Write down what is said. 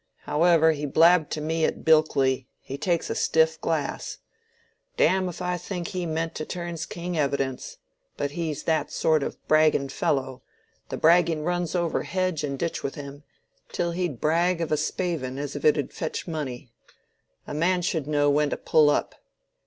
However, he blabbed to me at Bilkley: he takes a stiff glass. Damme if I think he meant to turn king's evidence; but he's that sort of bragging fellow, the bragging runs over hedge and ditch with him, till he'd brag of a spavin as if it 'ud fetch money. A man should know when to pull up."